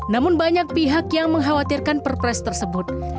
namun banyak pihak yang mengkhawatirkan perpres tersebut